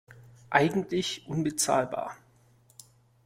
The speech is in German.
Eigentlich unbezahlbar.